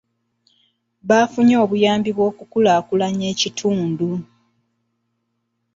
Baafunye obuyambi bw'okukulaakulanya ekitundu.